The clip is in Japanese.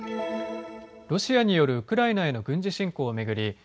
ロシアによるウクライナへの軍事侵攻を巡り